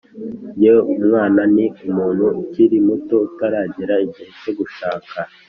nge, umwana ni umuntu ukiri muto utaragera igihe cyo gushaka."